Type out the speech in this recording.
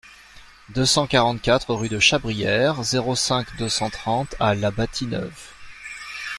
deux cent quarante-quatre rue de Chabrière, zéro cinq, deux cent trente à La Bâtie-Neuve